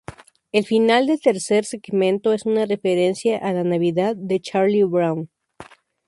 El final del tercer segmento es una referencia a "La Navidad de Charlie Brown".